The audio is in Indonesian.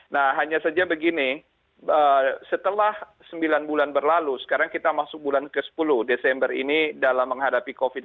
nah hanya saja begini setelah sembilan bulan berlalu sekarang kita masuk bulan ke sepuluh desember ini dalam menghadapi covid sembilan belas